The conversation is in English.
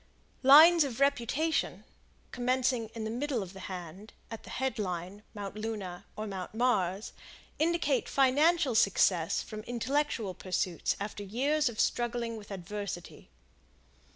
Lines of Reputation, commencing in the middle of the hand, at the Head Line, Mount Luna or Mount Mars, indicate financial success from intellectual pursuits after years of struggling with adversity.